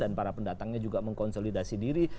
para pendatangnya juga mengkonsolidasi diri